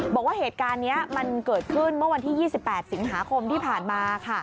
บอกว่าเหตุการณ์นี้มันเกิดขึ้นเมื่อวันที่๒๘สิงหาคมที่ผ่านมาค่ะ